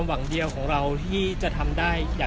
ไม่ใช่นี่คือบ้านของคนที่เคยดื่มอยู่หรือเปล่า